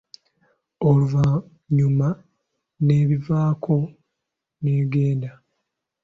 Oluvanyuma n'ebivaako n'egenda.